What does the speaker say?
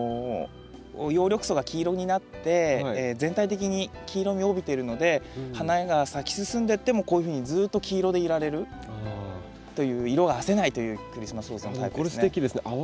葉緑素が黄色になって全体的に黄色みを帯びているので花が咲き進んでってもこういうふうにずっと黄色でいられるという色があせないというクリスマスローズのタイプですね。